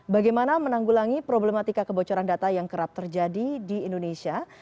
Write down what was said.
bagaimana menanggulangi problematika kebocoran data yang kerap terjadi di indonesia